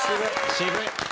渋い！